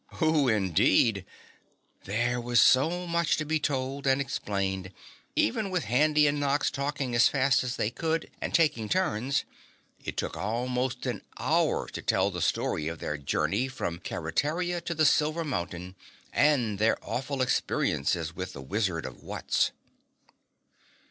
WHO, indeed? There was so much to be told and explained, even with Handy and Nox talking as fast as they could and taking turns, it took almost an hour to tell the story of their journey from Keretaria to the Silver Mountain and their awful experiences with the Wizard of Wutz.